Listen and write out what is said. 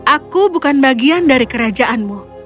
aku bukan bagian dari kerajaanmu